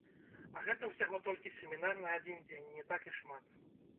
А гэта ўсяго толькі семінар на адзін дзень, не так і шмат.